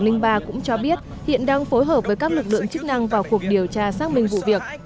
đại diện bệnh viện cho biết hiện đang phối hợp với các lực lượng chức năng vào cuộc điều tra xác minh vụ việc